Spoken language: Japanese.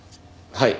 はい。